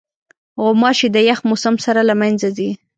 غوماشې د یخ موسم سره له منځه ځي.